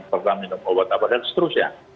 serta minum obat apa dan seterusnya